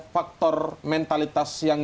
faktor mentalitas yang